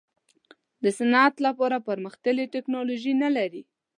د صنعت لپاره پرمختللې ټیکنالوجي نه لري.